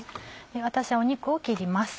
私は肉を切ります。